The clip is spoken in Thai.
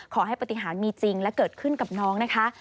ขอให้ปฏิหารมีจริงและเกิดขึ้นกับน้องนะคะ